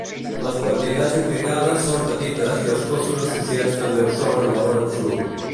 Les quantitats implicades són petites i els costos associats també ho són en valor absolut.